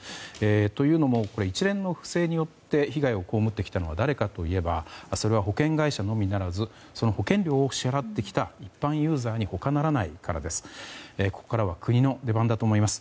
というのも、一連の不正によって被害を被ってきたのは誰かといえばそれは保険会社のみならずその保険料を支払ってきた一般ユーザーに他ならないからです。ここからは国の出番だと思います。